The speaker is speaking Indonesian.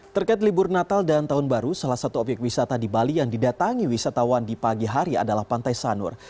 terkait libur natal dan tahun baru salah satu obyek wisata di bali yang didatangi wisatawan di pagi hari adalah pantai sanur